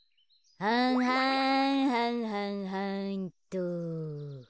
はんはんはんはんはんっと。